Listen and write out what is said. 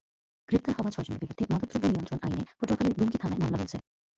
গ্রেপ্তার হওয়া ছয়জনের বিরুদ্ধে মাদকদ্রব্য নিয়ন্ত্রণ আইনে পটুয়াখালীর দুমকি থানায় মামলা হয়েছে।